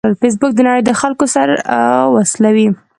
فېسبوک د نړۍ د خلکو سره وصلوي